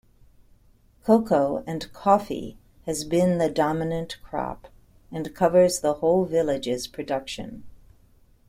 Cocoa and coffee has been the dominant crop and covers the whole village's production.